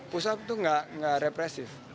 pusap itu nggak represif